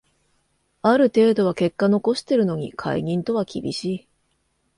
ある程度は結果残してるのに解任とは厳しい